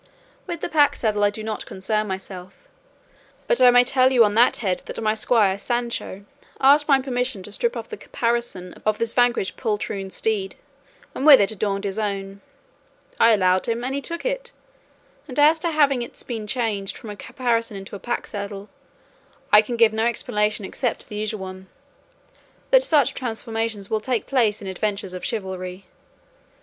With the pack saddle I do not concern myself; but I may tell you on that head that my squire Sancho asked my permission to strip off the caparison of this vanquished poltroon's steed, and with it adorn his own; I allowed him, and he took it; and as to its having been changed from a caparison into a pack saddle, I can give no explanation except the usual one, that such transformations will take place in adventures of chivalry.